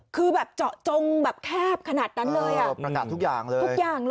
คือแบบเจาะจงแบบแคบขนาดนั้นเลยอ่ะประกาศทุกอย่างเลยทุกอย่างเลย